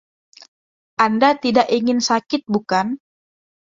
Anda tidak ingin sakit, bukan?